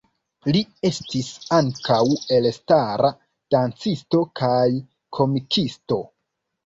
Li estis ankaŭ elstara dancisto kaj komikisto.